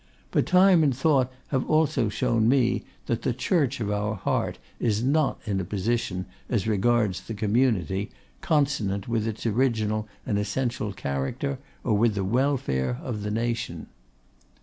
But time and thought have also shown me that the Church of our heart is not in a position, as regards the community, consonant with its original and essential character, or with the welfare of the nation.